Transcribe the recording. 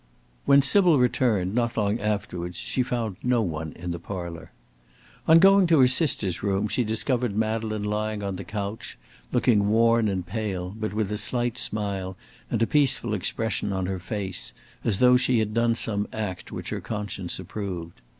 When Sybil returned, not long afterwards, she found no one in the parlour. On going to her sister's room she discovered Madeleine lying on the couch, looking worn and pale, but with a slight smile and a peaceful expression on her face, as though she had done some act which her conscience approved.